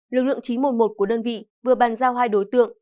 lực lượng chín trăm một mươi một của đơn vị vừa bàn giao hai đối tượng